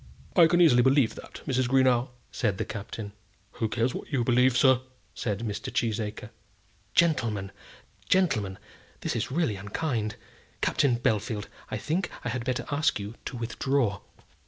"I can easily believe that, Mrs. Greenow," said the Captain. "Who cares what you believe, sir?" said Mr. Cheesacre. "Gentlemen! gentlemen! this is really unkind. Captain Bellfield, I think I had better ask you to withdraw."